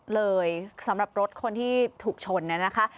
เลยสำหรับรถคนที่ถูกชนเนี่ยนะคะ